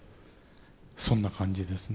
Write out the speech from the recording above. そんな感じですね。